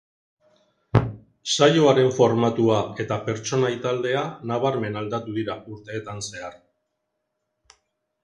Saioaren formatua eta pertsonai taldea nabarmen aldatu dira urteetan zehar.